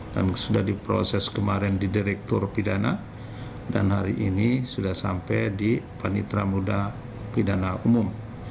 dan sudah diproses kemarin di direktur pidana dan hari ini sudah sampai di panitra muda pidana umum